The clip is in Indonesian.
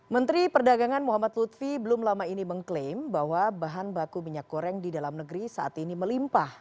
menteri perdagangan muhammad lutfi belum lama ini mengklaim bahwa bahan baku minyak goreng di dalam negeri saat ini melimpah